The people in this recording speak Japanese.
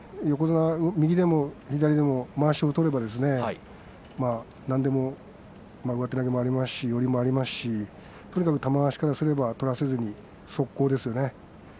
横綱は右でも左でもまわしを取れば何でも上手投げもありますし寄りもありますし、とにかく玉鷲からすれば取らせずに速攻ですね。